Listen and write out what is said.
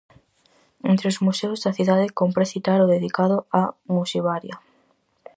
Entre os museos da cidade cómpre citar o dedicado á musivaria.